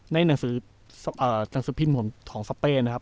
ในหนังสูปปิ้นของสเปนนะครับ